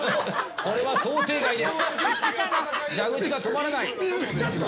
これは想定外です。